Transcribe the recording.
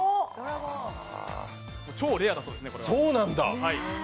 超レアだそうですね、これは。